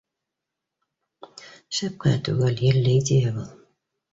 Шәп кенә түгел, елле идея был